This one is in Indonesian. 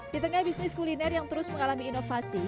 di tengah bisnis kuliner yang terus mengalami inovasi